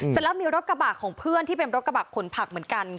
เสร็จแล้วมีรถกระบะของเพื่อนที่เป็นรถกระบะขนผักเหมือนกัน